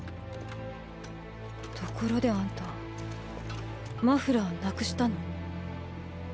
ところであんたマフラーなくしたの？